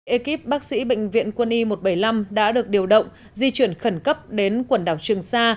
ekip bác sĩ bệnh viện quân y một trăm bảy mươi năm đã được điều động di chuyển khẩn cấp đến quần đảo trường sa